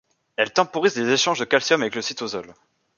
Elle temporise les échanges de calcium avec le cytosol.